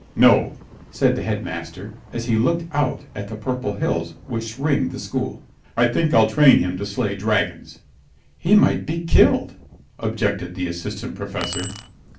"No," said the Headmaster, as he looked out at the purple hills which ringed the school, "I think I'll train him to slay dragons." "He might be killed," objected the Assistant Professor.